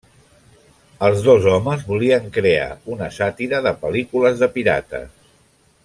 Els dos homes volien crear una sàtira de pel·lícules de pirates.